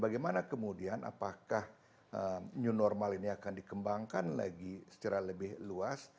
bagaimana kemudian apakah new normal ini akan dikembangkan lagi secara lebih luas